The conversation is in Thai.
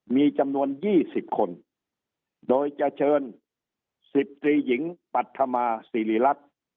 มีจำนวน๒๐คนโดยจะเชิญ๑๐ตรีหญิงปัธมาสิริรักษ์